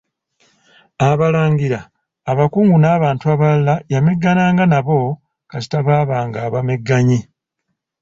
Abalangira, abakungu n'abantu abalala yameggananga nabo kasita baabanga abamegganyi.